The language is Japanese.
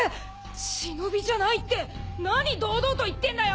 忍じゃないって何堂々と言ってんだよ！